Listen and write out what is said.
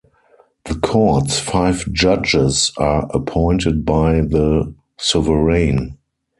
The Court's five judges are appointed by the Sovereign.